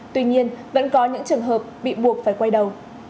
tuy nhiên vẫn có những trường hợp bị buộc phải quay đầu